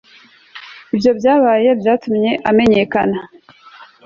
ibyo byabaye byatumye amenyekana